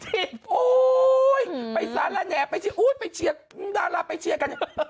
เออยไปสารแหน่ไปเชียร์ดาราไปเชียร์กัน